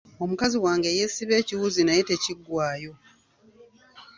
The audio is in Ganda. Omukazi wange yeesiba ekiwuzi naye tekiggwayo.